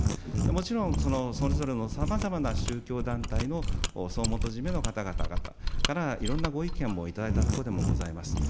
もちろんそのそれぞれのさまざまな宗教団体の総元締めの方々から、いろんなご意見も頂いたところでもございます。